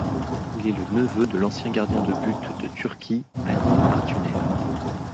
Il est le neveu de l’ancien gardien de but de Turquie Ali Artuner.